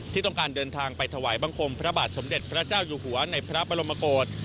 ที่ต้องการเดินทางไปถวายบังคมพระบาทสมเด็จพระเจ้าอยู่หัวในพระบรมกฏ